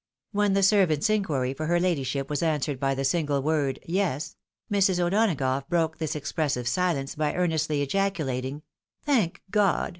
When the servant's inquiry for her ladyship was answered by the single word " Yes," Mrs. O'Donagough broke tliis expressive silence by earnestly ejaculating "Thank God!"